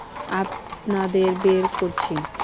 আপনাদের বের করছি!